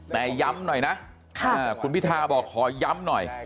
แต่ย้ำหน่อยนะคุณพิทาบอกขอย้ำหน่อย